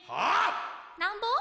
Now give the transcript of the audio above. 「なんぼ？」